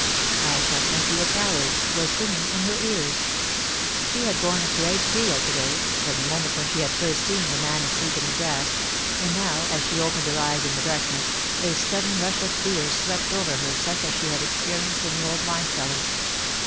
'I shall think you a coward,' was ringing in her ears. She had borne a great deal to day, from the moment when she had first seen the man asleep in the grass; and now, as she opened her eyes in the darkness, a sudden rush of fear swept over her such as she had experienced in the old wine cellar.